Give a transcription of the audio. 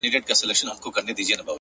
پرمختګ د ثابتو هڅو حاصل دی